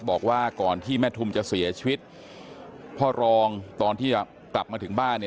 บอกว่าก่อนที่แม่ทุมจะเสียชีวิตพ่อรองตอนที่กลับมาถึงบ้านเนี่ย